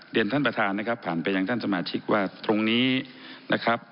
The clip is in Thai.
ท่านประธานนะครับผ่านไปยังท่านสมาชิกว่าตรงนี้นะครับ